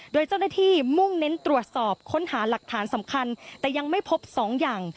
โดยเจ้าหน้าที่มุ่งเน้นตรวจสอบค้นหาหลักฐานสำคัญแต่ยังไม่พบสองอย่าง